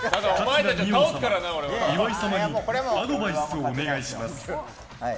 桂二葉様、岩井様にアドバイスをお願いします。